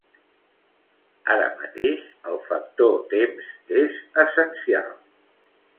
Ara mateix, el factor temps és essencial.